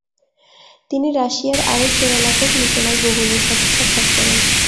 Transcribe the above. তিনি রাশিয়ার আরেক সেরা লেখক নিকোলাই গোগোলের সাথে সাক্ষাৎ করেন।